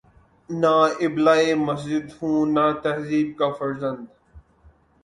نے ابلۂ مسجد ہوں نہ تہذیب کا فرزند